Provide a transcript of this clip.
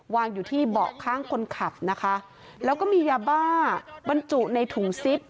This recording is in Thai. วางอยู่ที่เบาะข้างคนขับนะคะแล้วก็มียาบ้าบรรจุในถุงซิป